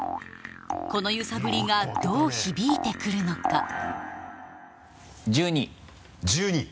この揺さぶりがどう響いてくるのか１２位。